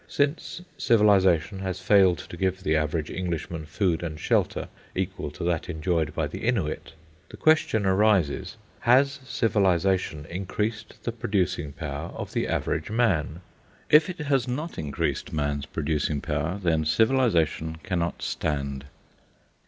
Since Civilisation has failed to give the average Englishman food and shelter equal to that enjoyed by the Innuit, the question arises: Has Civilisation increased the producing power of the average man? If it has not increased man's producing power, then Civilisation cannot stand.